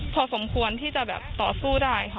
พอสมควรที่จะแบบต่อสู้ได้ค่ะ